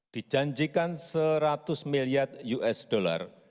dijanjikan seratus miliar us dollar